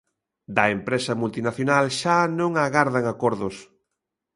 Da empresa multinacional xa non agardan acordos.